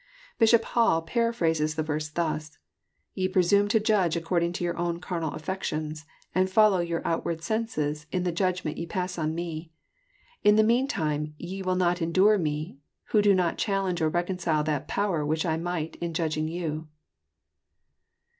Bishop Hall paraphrases the verse thus :" Ye presume to Judge according to your own carnal affections, and follow your outward senses in the judgment ye pass on Me. In the mean time ye will not endure Me, who do not challenge or reconcile that power which I might in judging you."